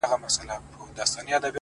يو شاعر لکه قلم درپسې ژاړي”